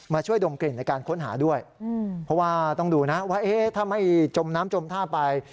ช่วยดมกลิ่นในการค้นหาด้วยเพราะว่าต้องดูนะว่าถ้าไม่จมน้ำจมท่าไป